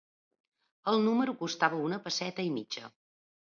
El número costava una pesseta i mitja.